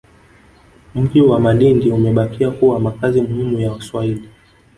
Mji wa Malindi Umebakia kuwa makazi muhimu ya Waswahili